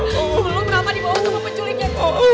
bulu bulu kenapa dibawa semua penculiknya tuh